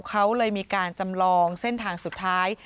เขาเลยมีการจำลองเส้นทางสุดท้าย